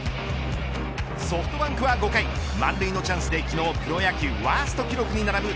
ソフトバンクは５回満塁のチャンスで昨日プロ野球ワースト記録に並ぶ